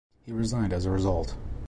He resigned as a result.